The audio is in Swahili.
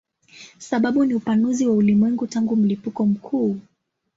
Sababu ni upanuzi wa ulimwengu tangu mlipuko mkuu.